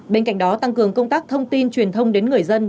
bên cạnh đó tăng cường công tác thông tin truyền thông đến người dân